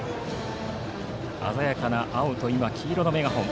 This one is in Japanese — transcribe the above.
鮮やかな青と黄色のメガホン。